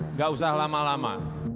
nggak usah lama lama